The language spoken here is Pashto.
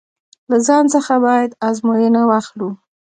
له ځان څخه باید ازموینه واخلو.